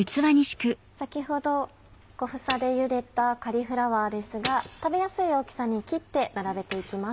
先ほど小房でゆでたカリフラワーですが食べやすい大きさに切って並べて行きます。